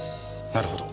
なるほど。